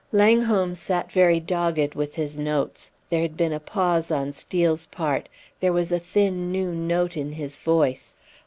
Langholm sat very dogged with his notes. There had been a pause on Steel's part; there was a thin new note in his voice.